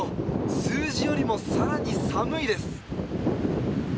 数字よりもさらに寒いです。